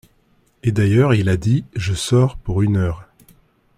Et d’ailleurs, il a dit :« Je sors pour une heure.